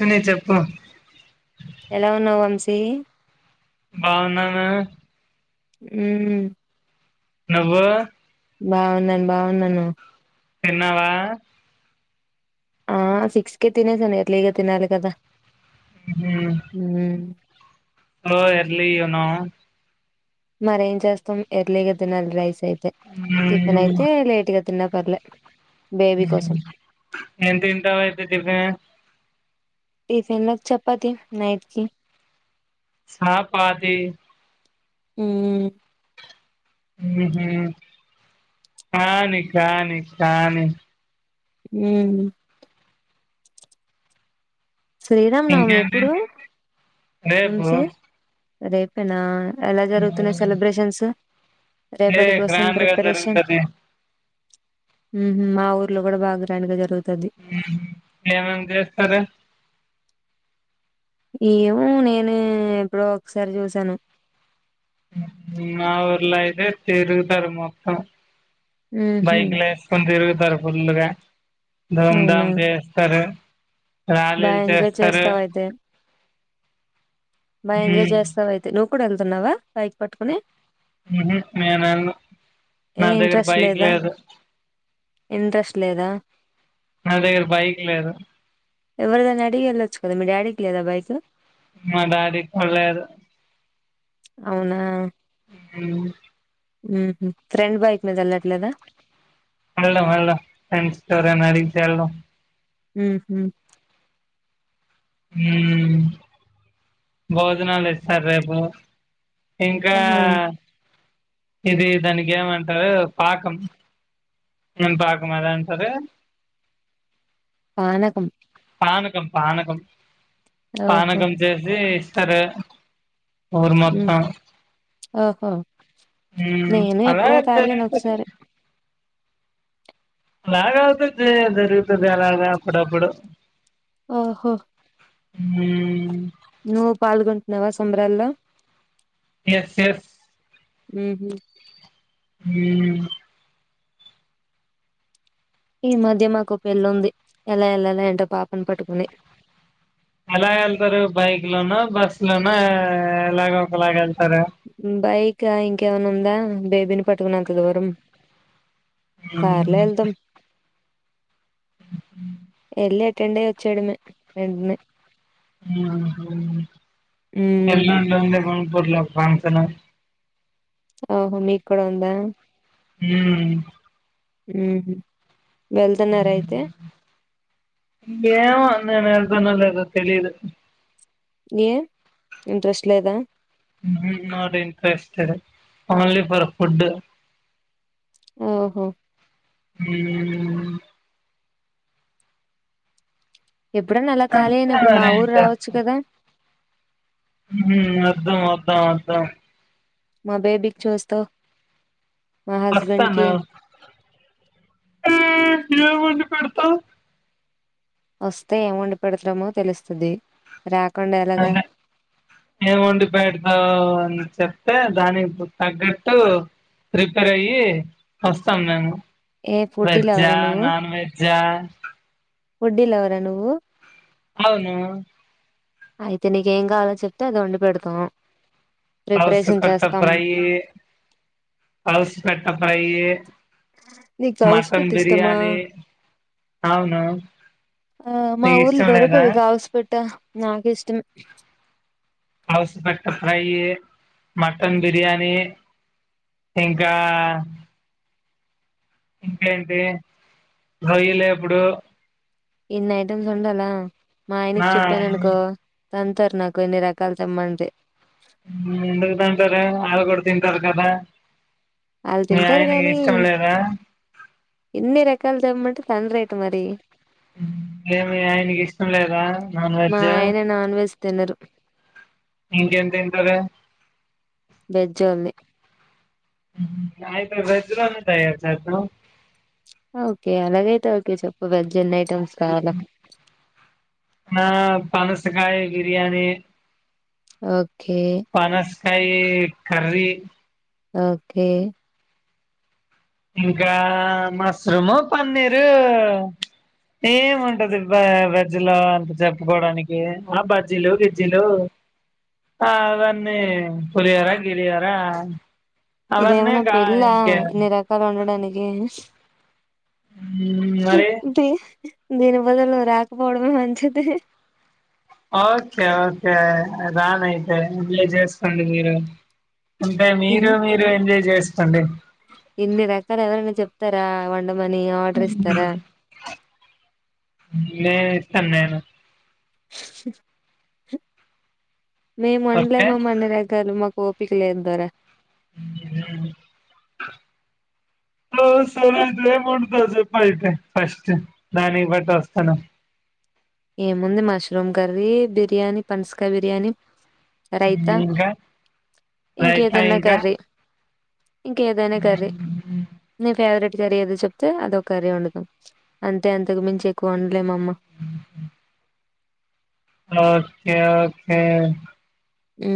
అ న చెప్పు ఎలా ఉన్నావు వంశీ బాగున్నాను హ్మ్మ్ నువ్వు బావున్నాను బావున్నాను తిన్నావా ఆ సిక్స్ కే తినేసాను ఎర్లీ గా తినాలి కదా హుమ్మ్ హలో ఎర్లీ ఏనో మరేం చేస్తాం ఎర్లీ గా తినాలి రైస్ అయితే టిఫెన్ అయితే లేట్ గా తిన్న పర్లే బేబీ కోసం ఏం తింటావు అయితే టిఫిని టిఫిన్ కి చప్పతి నైట్ కి చపాతీ హుమ్మ్ ఉహు కాని కానీ కానీ హుమ్మ్ శ్రీరామనవమి ఇంకేంటి ఎప్పుడు రేపు వంశీ రేపేన ఎలా జరుగుతున్నాయి సెలబ్రేషన్స్ ఏ రేపటి కోసం గ్రాండ్ గా ప్రిపరేషన్ జరుగుతది మా ఊర్లో కూడా బాగా గ్రాండ్ గాజరుగుతుంది ఏం ఏం చేస్తారు ఏమో నేను ఎప్పుడో ఒకసారి చూసాను మాఊర్లా ఇదే తిరుగుతారు మొత్తం ఉహు బైకులు వేసుకొని తిరుగు సర్ ఫుల్లుగా ధూం అవునా ధాం చేస్తారు బాగా రాలీలు ఎంజాయ్ చేస్తారు చేస్తావయితే బా ఎంజాయ్ మ్మ్ చేస్తావు అయితే నువ్ కూడా వెళ్తున్నావా బైక్ పట్టుకుని హుహ్ నేను వెళ్ళాను ఏ నా దగ్గర ఇంట్రెస్ట్ బైక్ లేదా లేదు ఇంట్రెస్ట్ లేదా నా దగ్గర బైక్ లేదు ఎవరిదైనా అడిగి వెళ్ళొచ్చు కదా మీ డాడీకి లేదా బైక్ మా డాడీకి కుడ్లేదు అవునా హ్ ఫ్రెండ్ బైక్ మీద వెళ్ళట్లేదా హలో హలో ఫ్రెండ్స్ ఎవరు అయినా అడిగితే హెల్లొ హుహు హ్ భోజనాలు ఇస్తారు రేపు ఇంకా ఆహా ఇది దానికి ఏమంటారు పాకం ఏం పాకమో అంటారు పనకం పానకం పానకం ఓహో పానకం చేసి ఇస్తారు ఊరు హ్మ్ మొత్తం ఓహో మ్మ్ నేను అలా ఎప్పుడో తాగాను జరుగుతది ఒకసారి [unintelligible] వస్తుది ఎలాగ అప్పుడప్పుడు ఆహో హూ నువ్వు పాల్గొంటున్నావా సంబరాల్లో ఎస్ ఎస్ హుహు హ్ ఈ మధ్య మాకు పెళ్ళుంది ఎలా ఏళ్లలో ఏంటో పాపను పట్టుకుని ఎలా వెళ్తారు బైక్ లోన బస్సు లోన ఎలాగో ఒకలాగ వెళ్ బైక్ ఇంకా ఇంకేమైనా ఉందా బేబీని పట్టుకున్నంత దూరం హ్మ్ ఏలేట్ అటెండ్ అయ్యి వచ్చేయడమే వెంటనే ఉమ్ ఎలా ర్ లో ఫ్రాన్సన హ మీక్కడ ఉందా హ్మ్ హు హ్మ్ వెళ్తున్నరా అయితే ఏమో నేను వెళ్తానో లేదో తెలీదు ఏ ఇంట్రెస్ట్ లేదా హు హు not interested only for food ఓ హో మ్మ్ ఎప్పుడన్నా అలా ఖాళీ అంతే అయినప్పుడు మా మరి ఊరు ఇంకా రావచ్చు కదా మ్మ్ హు వద్దాం వద్దాం వద్దాం మా బేబికి చూస్తో వస్తాను చూ పెడుతా వస్తే ఏం వండి పెడతామో తెలుస్తది రాకుండా ఎలాగా అదే ఏం వండి పెడతావ్ అన్ చెప్ తే దానికి తగ్గట్టు ప్రిపేర్ అయ్యి వస్తాం మేము ఏ ఫుడ్డీ లవరా వెజ్జా నాన్ వెజ్జా ఫుడ్డి లవర్ ఆ నువ్వు అవును అయితే నీకేం కావాలో చెప్తే అది వండి పెడతాం ప్రిపరేషన్ పౌసుకట్ట చేస్తాం ఫ్రై పౌసుకట్ట ఫ్రై యీ నీకు కౌసు పిట్టా ఇష్టమా అవును ఆ మా నీకు ఊర్లో ఇష్టం లేదా దొరకదు గౌస్పిట్ట నాకు ఇష్టం ష్టం హౌసూపెట్టా ఫ్రై మటన్ బిర్యానీ ఇంకా ఇంకేంటి రోయ్యలేప్పుడు ఇన్ని ఐటమ్స్ వండలా మా ఆయన చెప్పాను ఆ అనుకో తాంతారు నాకు ఇన్ని రకాలు తెమ్మంటే ఎందుకు తంతారు ఆళ్లు ఎం కాదు కదా ఆళ్ళు మీ తింటారు ఆయనకి గానీ ఇష్టం లేదా ఎన్ని రకాలు తేమ్మంటార్ సన్ రైట్ మరి హ్మ్ ఎం మీ ఆయనకి ఇష్టం లేదా నాన్ మా వెజ్ ఆయన నాన్ వెజ్ తినరు ఇంకేం తింటారు. వెజ్జోళ్ళని హుమ్మ్ అయితే వెజ్ లోనే తయారు చేదాం ఓకే అలాగైతే ఓకే చెప్పు ఇ వెజ్ ఎన్ని ఐటమ్స్ కావాలా నా పనసకాయ బిర్యానీ ఓకే కాయి కర్రీ ఓకే ఇంకా మష్రూము పన్నీరు ఏముంటది వెజ్జ్ లో అంత చెప్పుకోడానికి ఆ బజ్జీలు గిజ్జిలు ఆ అవన్నీ పులిహోర గిలిహోర ఇది అవన్నీ ఏమన్న కా పెళ్ళ ఇంకే ఇన్ని రకాలు క్కలా ఉండడానికి మరి బ దీని బదులు రాకపోవడమే మంచిది ఓకే ఓకే రాానయితే ఇలే చేసుకోండి మీరు అంటే ఇన్ మీరు మీరు ఎంజాయ్ చేసి అండడి ఇన్ని రకాలు ఎవరైనా చెప్తారా వంట నే ఇస్తా నేను స మేము ఓకే వండలేమ అమ్మ అన్ని రకాలు మా ఓపిక లేదు దొర హ సో మూడు తజ అయితే ఫస్ట్ దానికి బట్టి వస్తాను ఏముంది మష్రూమ్ కర్రీ బిర్యానీ పనసకాయ బిర్యానీ ఉమ్, రైతా ఇంకా రైతా ఇంకేదన్నా ఇంకా కర్రీ ఇంకేదైనా కర్రీ ఉమ్, నీ ఫేవరెట్ కర్రీ ఏదో చెప్తే అదొ ఒక కర్రీ వడుదాం అంటే అంతకు మించి ఎక్కువ వండలేమమ్మ ఓకే ఓకే ఉ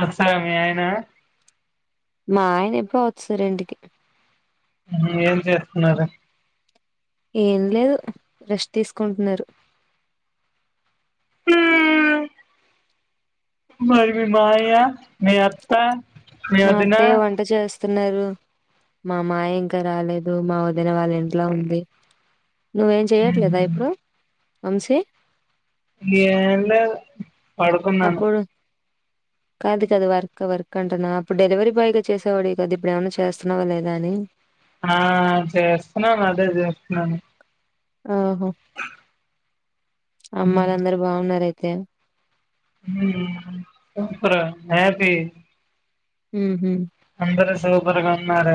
వస్తాడా మీ ఆయన మా ఆయన ఎప్పుడు వచ్చేశారు ఇంటికి ఏం చేస్తున్నారు ఏం లేదు రెష్ట్ తీసుకుంటున్నారు హ మరి మీ మయ్యా మీ అత్త మీ వదిన వస్తున్నారు మా మాయ ఇంకా రాలేదు మా వదిన వాళ్ళ ఇంట్లా ఉంది నువ్వేం చెయట్లేదా ఉమ్. ఇప్పుడు అంశీ ఏండ పడుకున్నాను అప్పుడు కాదు కాదు వర్క్ వర్క్ అంటన్నా అప్పుడు డెలివరీ బాయ్ గా చేసేవాడి కదా ఇప్పుడు ఏమన్నా చేస్తున్నావా లేదా అని ఆ చేస్తున్నాను అదే చేస్తున్నాను ఆహో అమ్మాయిలు అందరు బాగుఉన్నారే తేవు చెప్పు రా హ్యాపీ ఉహు అందరు సూపర్ గా ఉన్నార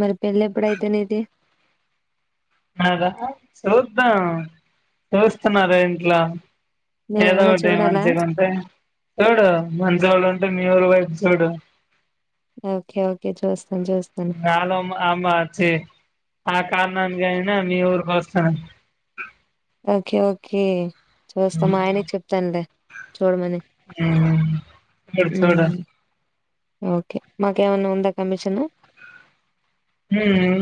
మరి పెళ్లి ఎప్పుడు అయితే నీది అదా చూద్దాం చూస్తున్నారా ఇంట్ల ఏదో నేనేమన్నా ఒకటి చూడాలా? మంచిగా ఉంటే చూడు మంచోళ్ళు ఉంటే మీఊరు వైపు చూడు ఓకే ఓకే చూసు కాలో ఆమాచ్చే ఆ కానన్ జైన్ నా మీ ఊరు కాస్తానా ఓకే ఓకే చూస్తాము మా ఆయనకి చెప్తానులే చూడమని. చూడు నేను చూడ హ్మ్. ఓకే మాకేమన్నా ఉందా కమిషను హ్మ్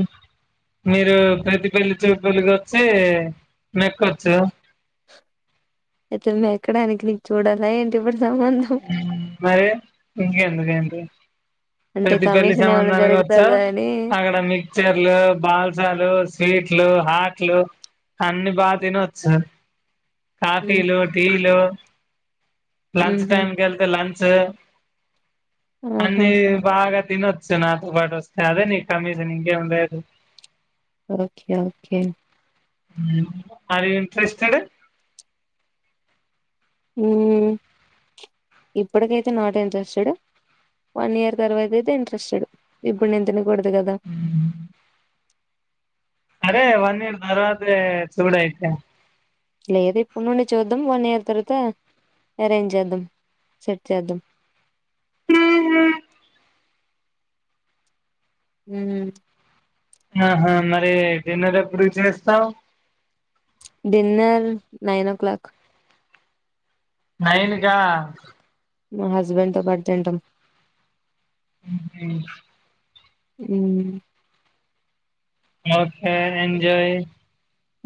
మీరు ప్రతి పెళ్లి చూపులకు వచ్చి మెక్కొచ్చు అయితే మెక్కడానికి నీకు చూడాలా ఏంటి ఇప్పుడు సంబంధం? మరి ఇంకెందుకేంది అంటే ప్రతి పెళ్లి కమిషన్ ఏమన్నా సంబంధానికి వచ్చా దొరుకుతదా అని? అక్కడ మీకు చర్లు బాల్సాలు స్వీట్లు హాట్లు అన్ని బాగ తినొచ్చు కాఫీ హ్మ్. లు టీ లో లంచ్ హుహు. టైం గాలుక లంచ్ ఆహా! అన్ని బాగాత్ తినవచ్చు నాతో పాటు వస్తే అదే నీ కమిషన్ ఇంకేమ్ లేదు okay okay are you interested హ్మ్ ఇప్పటికైతే నాట్ ఇంట్రెస్టెడ్ వన్ ఇయర్ తర్వాత అయితే ఇంట్రెస్టెడ్ ఇప్పుడు నేను తినకూడదు అంతే గదా అదే వన్ ఇయర్ తరువాత్ దే చూడు అయితే లేదు ఇప్పుడు నుండి చూద్దాం వన్ ఇయర్ తర్వాత అరేంజ్ చేద్దాం సెట్ చేద్దాం హ్మ్ ఆహా మరి జిన్నలు ఎప్పుడు చేస్తావు డిన్నర్ నైన్ ఓ క్లాలాక్ నైనుకా మా హస్బెండ్ తో పట్ తంటాం హుహు. అ ఓకే ఎంజాయ్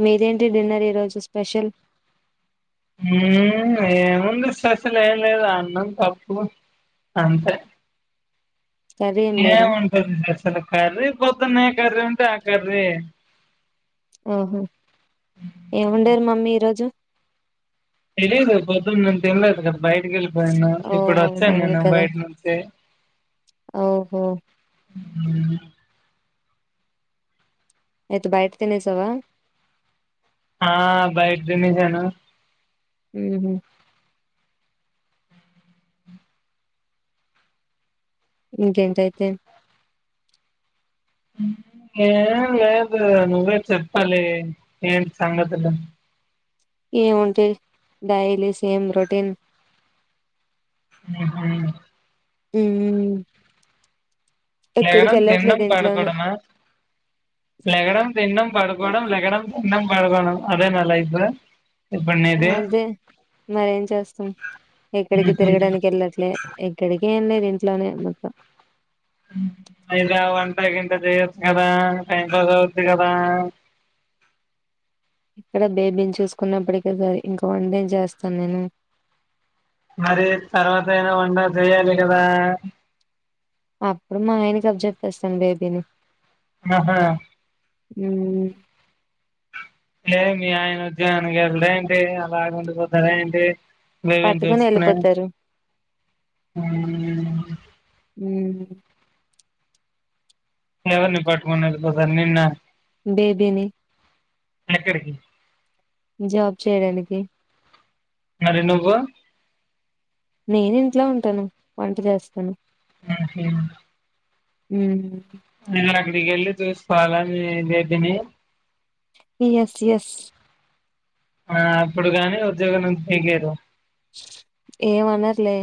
మీదేంటి డిన్నర్ ఈ రోజు స్పెషల్ ఏముంది ససలు ఏం లేదు అన్నం తప్పు అంతే కర్రీ ఏం ఏ లేదా ఉంటది అసలు కాల పొద్దునే క రే త క రే ఆహో ఏముండారు మమ్మీ ఈరోజు తెలియదు పొదుం నం త తెన్లద బయటకి వెళ్ళిపోయాను ఓ ఇప్పుడు అవును వచ్చాను అవును నేను కదా బయట నుంచి ఓహో అ అయితే బయట తినేసావా హా భైజమజను హ ఇంకేంటైతే ఏం లేదు నువ్వే చెప్పాలి ఏంటి సంగతులు ఏము ఉంటే డైలీ సేమ్ రొటీన్ ఆ ఉ లేడం తిన్నడం ఇంట్లోనే పడకడమా లగనం తిన్నం పడుకోడం లగనం తిన్నం పడుకోడం అదేనల ఇప్పు అదే మరేం చేస్తాం ఎక్కడికి ఉహు తిరగడానికి వెళ్ళట్లే ఎక్కడికి ఏం లే ఇంట్లోనే అమ్న్నతా అద వంటకి ఇంత చెయొచ్చు కదా టైం పాస్ అవచ్చది కదా ఇక్కడ బేబీని చూసుకున్నప్పటిక సర ఇంకా వన్ డేం చేస్తాను నేను మరి తర్వాత అయినా వండా చేయాలి కదా అప్పుడు మా ఆయన క అబ్ చెెప్పేస్తాను బేబీని ఆహా అ లే మీ ఆయన ఉద్యోగానికి వెళ్ళడ ఏంటి అలా ఉండిపోతాడ ఏంటి నువ్వేం పట్టుకొని వెళ్ళిపోతారు ఆ హ ఎవ ని పార్ట్మం సార్ నిన్న బేబేని ఎనకడకి జాబ్ చేయడానికి అరి ను్వు నేన్ ఇంట్లో ఉంటాను వంట చేస్తాను ఆ హ ఉ ఇది [unintelligible] అడికెళ్ళి చూసుకోవాల మేమ్ జెపినాయి ఎస్ ఎస్ ఆ అప్పుడు కాని ఉద్యోగం నుంచి పికైయర్ ఎమ్ అనర్ లే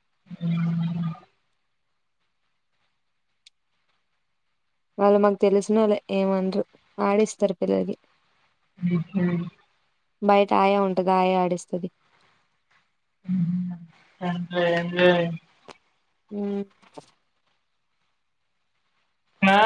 [inaudible] వాళ్ళు మనక్ తెల్ స్ నోలే ఏమ్ అండ్రు ఆడిస్తారు పిల్లకి [unintelligible] ఉమ్ బయట ఆయా ఉంటది ఆయ ఆడిస్తది అంటే ఎమ్ లే ఉమ్ ఆ